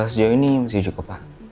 sejauh ini masih cukup pak